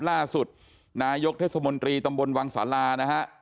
ล่าสุดนายกเทศมนตรีตำบลวังศาลานะฮะ